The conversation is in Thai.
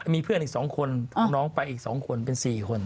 มีเพื่อนอีกสองคนน้องไปอีกสองคนเป็นสี่คน